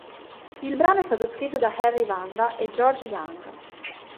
Il brano è stato scritto da Harry Vanda e George Young.